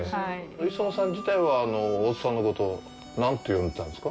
磯野さん自体は、大津さんのことを何て呼んでたんですか？